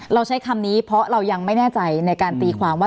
ใช้คำนี้เพราะเรายังไม่แน่ใจในการตีความว่า